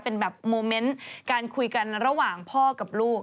เป็นแบบโมเมนต์การคุยกันระหว่างพ่อกับลูก